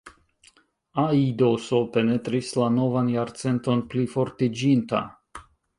Aidoso penetris la novan jarcenton plifortiĝinta.